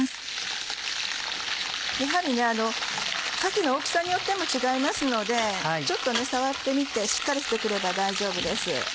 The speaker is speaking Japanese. やはりかきの大きさによっても違いますのでちょっと触ってみてしっかりして来れば大丈夫です。